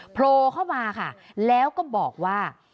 โผล่เข้ามาค่ะแล้วก็บอกว่า